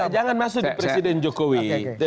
jangan masuk presiden jokowi